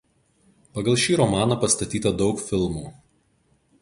Pagal šį romaną pastatyta daug filmų.